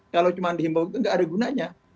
kalau cuma dihimbau itu nggak ada gunanya